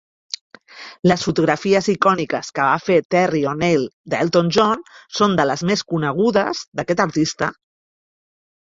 Les fotografies icòniques que va fer Terry O'Neill d"Elton John són de les més conegudes d"aquest artista.